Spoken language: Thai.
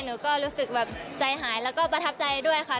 หนูก็รู้สึกแบบใจหายแล้วก็ประทับใจด้วยค่ะ